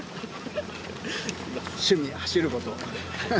趣味、走ること。